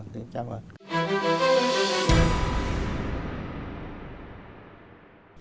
dạ chào mừng